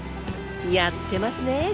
やってますね